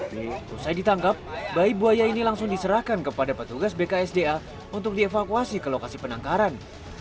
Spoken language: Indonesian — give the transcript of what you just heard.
setelah ditangkap bayi buaya ini langsung diserahkan kepada petugas bksda untuk dievakuasi ke lokasi penangkaran